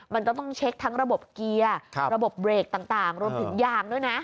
มันก็ต้องเช็คทั้งระบบเกียร์ระบบเบรกต่างรวมถึงยางด้วยนะ